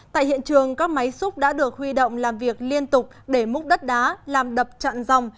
tại hiện trường các máy xúc đã được huy động làm việc liên tục để múc đất đá làm đập chặn dòng